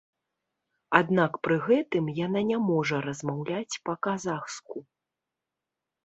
Аднак пры гэтым яна не можа размаўляць па-казахску.